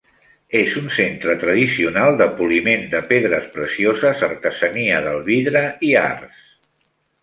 És un centre tradicional de poliment de pedres precioses, artesania del vidre i arts.